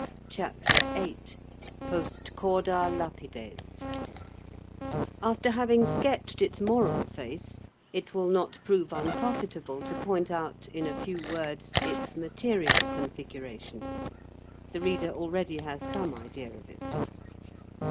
CHAPTER VIII—POST CORDA LAPIDES After having sketched its moral face, it will not prove unprofitable to point out, in a few words, its material configuration. The reader already has some idea of it.